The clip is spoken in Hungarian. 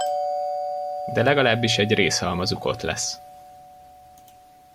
De legalább is egy részhalmazuk ott lesz.